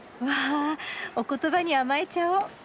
お言葉に甘えちゃおう。